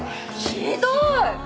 ひどい！